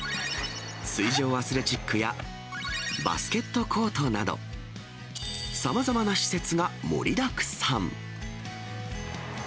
水上アスレチックやバスケットコートなど、さまざまな施設が盛りだくさん。